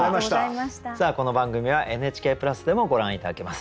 さあこの番組はＮＨＫプラスでもご覧頂けます。